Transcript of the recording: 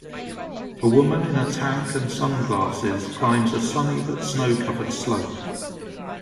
A woman in a tank and sunglasses climbs a sunny but snowcovered slope.